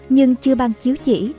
nhưng chưa ban chiếu chỉ